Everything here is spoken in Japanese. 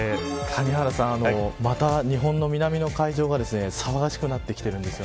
谷原さんまた日本の南の海上が騒がしくなってきています。